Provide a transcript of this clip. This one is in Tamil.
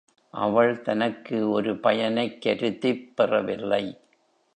அவள் தனக்கு ஒரு பயனைக் கருதிப் பெறவில்லை.